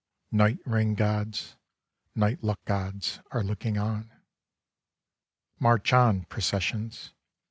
Night rain gods, night luck gods, are looking on. March on, processions.